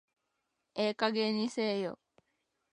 ええ加減にせえよ